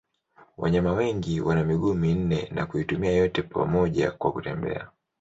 Wanyama wengi wana miguu minne na kuitumia yote pamoja kwa kutembea.